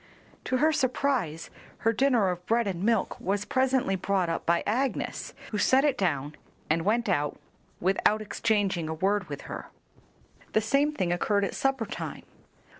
To her surprise her dinner of bread and milk was presently brought up by Agnes, who set it down and went out without exchanging a word with her. The same thing occurred at supper time.